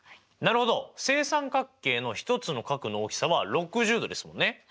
正三角形の一つの角の大きさは６０°ですもんね！